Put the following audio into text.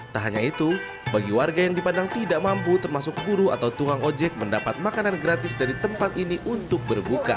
tak hanya itu bagi warga yang dipandang tidak mampu termasuk guru atau tukang ojek mendapat makanan gratis dari tempat ini untuk berbuka